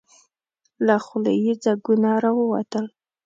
له خولې يې ځګونه راووتل.